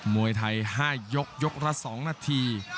มวยไทย๕ยกยกละ๒นาที